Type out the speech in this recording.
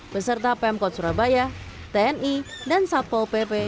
beserta pemkot surabaya tni dan satpol pp